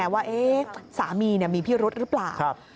ว่าสามีมีพิรุธหรือเปล่า